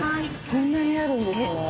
こんなにあるんですね。